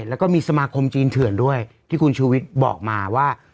แล้วก็มีสมาคมจีนเถื่อนด้วยที่คุณชูวิทย์บอกมาว่า